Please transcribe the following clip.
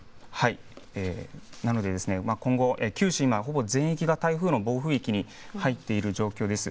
なので、今後九州、今、ほぼ全域が台風の暴風域に入っている状況です。